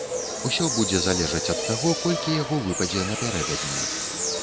Усё будзе залежаць ад таго, колькі яго выпадзе напярэдадні.